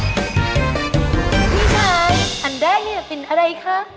พี่ชายอันแรกเนี่ยเป็นอะไรคะ